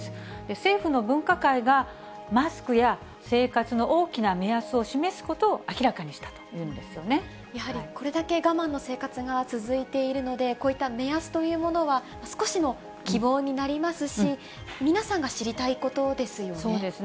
政府の分科会が、マスクや生活の大きな目安を示すことを明らかにしたというんですやはりこれだけ、我慢の生活が続いているので、こういった目安というものは、少しの希望になりますし、皆さんが知りたいことですよね。